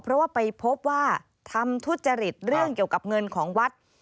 เพราะว่าไปพบว่าทำทุจริตเรื่องเกี่ยวกับเงินของวัด